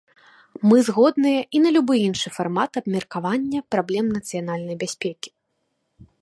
Мы згодныя і на любы іншы фармат абмеркавання праблем нацыянальнай бяспекі.